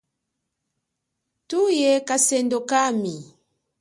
Thuye kasendo kami.